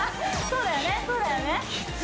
そうだよね